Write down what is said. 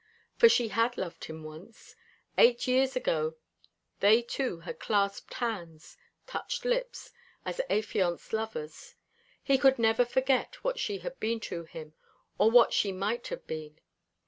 For she had loved him once. Eight years ago they two had clasped hands, touched lips, as affianced lovers. He could never forget what she had been to him, or what she might have been.